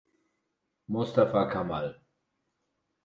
Mostafa Kamal.